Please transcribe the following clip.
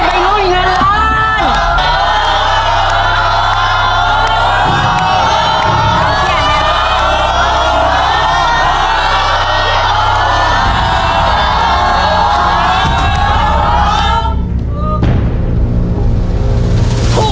จะได้ไปลุยเงินล้อน